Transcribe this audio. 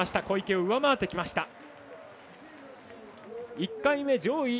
小池を上回ってきました。